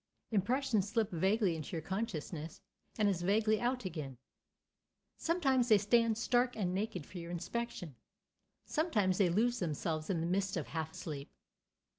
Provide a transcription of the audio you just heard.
Impressions slip vaguely into your consciousness and as vaguely out again. Sometimes they stand stark and naked for your inspection; sometimes they lose themselves in the mist of half sleep.